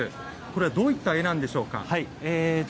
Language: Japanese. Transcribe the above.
これはどういった絵なんでしょうか。